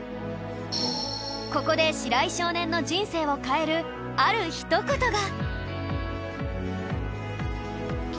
ここで白井少年の人生を変えるあるひと言が